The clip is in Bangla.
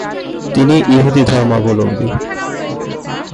তিনি ইহুদি ধর্মাবলম্বী।